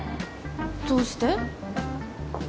どうして？